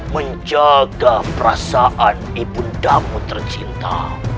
menjaga perasaan ibu damu tercinta